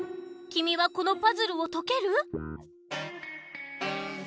きみはこのパズルをとける？